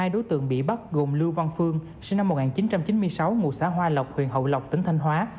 hai đối tượng bị bắt gồm lưu văn phương sinh năm một nghìn chín trăm chín mươi sáu ngụ xã hoa lộc huyện hậu lộc tỉnh thanh hóa